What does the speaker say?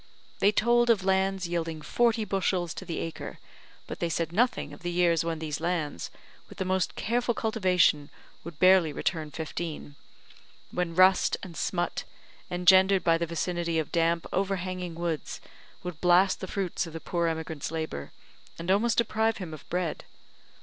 They told of lands yielding forty bushels to the acre, but they said nothing of the years when these lands, with the most careful cultivation, would barely return fifteen; when rust and smut, engendered by the vicinity of damp over hanging woods, would blast the fruits of the poor emigrant's labour, and almost deprive him of bread.